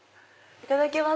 いただきます。